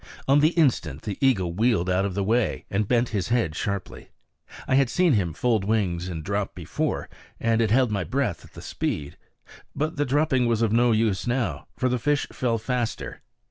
On the instant the eagle wheeled out of the way and bent his head sharply. I had seen him fold wings and drop before, and had held my breath at the speed. But dropping was of no use now, for the fish fell faster.